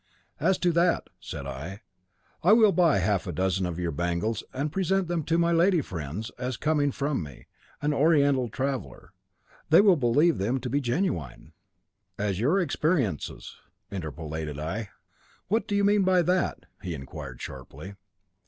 'As to that,' said I, 'I will buy half a dozen of your bangles and present them to my lady friends; as coming from me, an oriental traveller, they will believe them to be genuine '" "As your experiences," interpolated I. "What do you mean by that?" he inquired sharply.